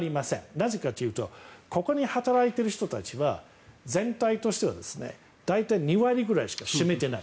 なぜかというとここで働いている人たちは全体としては大体２割ぐらいしか占めていない。